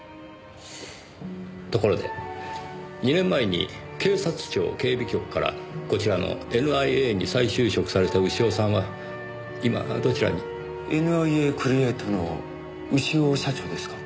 ところで２年前に警察庁警備局からこちらのＮＩＡに再就職された潮さんは今どちらに？ＮＩＡクリエイトの潮社長ですか？